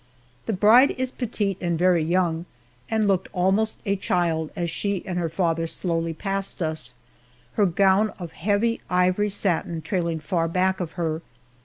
The bride is petite and very young, and looked almost a child as she and her father slowly passed us, her gown of heavy ivory satin trailing far back of her.